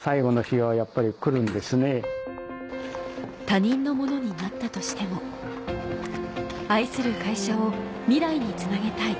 他人のものになったとしても愛する会社を未来につなげたい